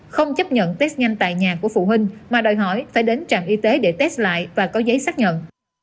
không chấp nhận test nhanh tại nhà của phụ huynh mà đòi hỏi phải đến trạm y tế để test lại và có giấy xác nhận